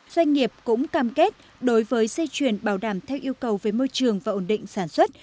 doanh nghiệp cũng cam kết đối với dây chuyền bảo đảm theo yêu cầu về môi trường và ổn định sản xuất